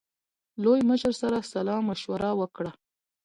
لوی مشر سره سلا مشوره وکړه.